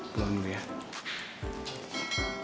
tante aku pergi dulu tante